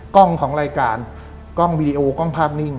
ของรายการกล้องวีดีโอกล้องภาพนิ่ง